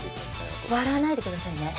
笑わないでくださいね。